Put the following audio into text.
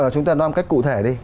chúng ta nói một cách cụ thể đi